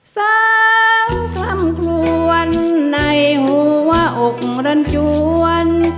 สังกล้ำคลวนในหัวอกรรจวน